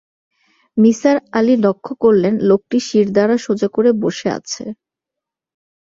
নিসার আলি লক্ষ করলেন, লোকটি শিরদাঁড়া সোজা করে বসে আছে।